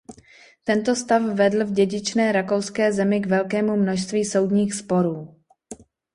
Tento stav vedl v dědičné rakouské zemi k velkému množství soudních sporů.